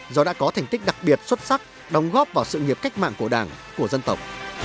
do đã có thành tích đặc biệt xuất sắc đồng góp vào sự nghiệp cách mạng của đảng của dân tộc